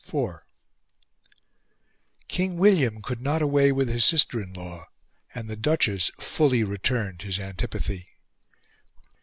IV King William could not away with his sister in law, and the Duchess fully returned his antipathy.